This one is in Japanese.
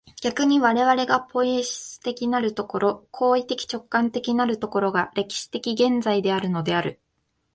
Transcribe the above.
逆に我々がポイエシス的なる所、行為的直観的なる所が、歴史的現在であるのである。